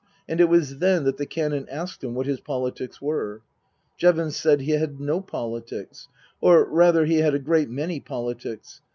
And it was then that the Canon asked him what his politics were ? Jevons said he had no politics. Or rather, he had a great many politics.